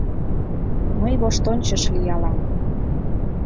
Мый воштончыш лиялам